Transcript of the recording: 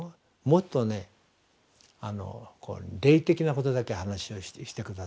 「もっと霊的なことだけ話をして下さい。